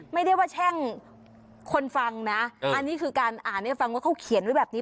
ไม่ได้ว่าแช่งคนฟังนะอันนี้คือการอ่านให้ฟังว่าเขาเขียนไว้แบบนี้